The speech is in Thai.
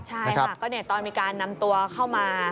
ใช่ค่ะก็ตอนมีการนำตัวเข้ามา